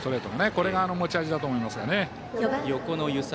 これが持ち味だと思います。